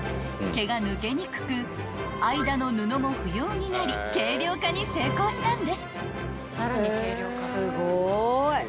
［毛が抜けにくく間の布も不要になり軽量化に成功したんです］